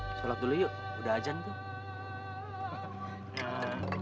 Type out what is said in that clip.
sholat dulu yuk udah ajan tuh